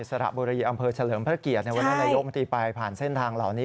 สระบุรีอำเภอเฉลิมพระเกียรติในวันนั้นนายกมนตรีไปผ่านเส้นทางเหล่านี้